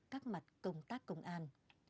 các mặt công tác công an